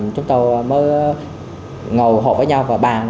chúng tôi mới ngầu hộp với nhau